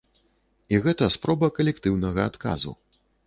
І гэта спроба калектыўнага адказу.